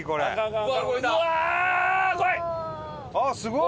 あっすごい！